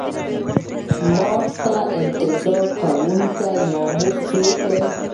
معاش ته انتظار کوونکی مامور څوک دی؟